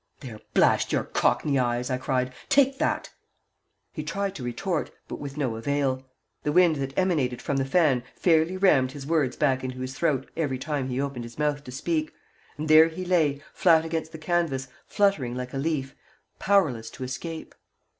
"There, blast your cockney eyes!" I cried; "take that." He tried to retort, but without avail. The wind that emanated from the fan fairly rammed his words back into his throat every time he opened his mouth to speak, and there he lay, flat against the canvas, fluttering like a leaf, powerless to escape.